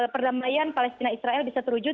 perdamaian palestina israel bisa terwujud